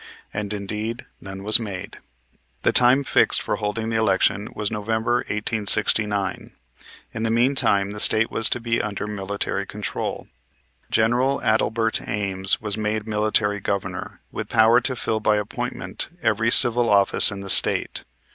And, indeed, none was made. The time fixed for holding the election was November, 1869. In the mean time the State was to be under military control. General Adelbert Ames was made Military Governor, with power to fill by appointment every civil office in the State.